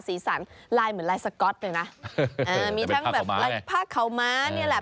สีสันลายเหมือนลายสก๊อตเนี่ยนะมีทั้งผ้าข่าวม้าเนี่ยแหละ